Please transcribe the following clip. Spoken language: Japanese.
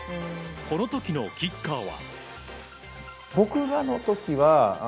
この時のキッカーは。